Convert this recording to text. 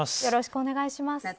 よろしくお願いします。